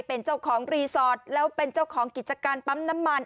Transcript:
เป็นเจ้าของรีสอร์ทแล้วเป็นเจ้าของกิจการปั๊มน้ำมัน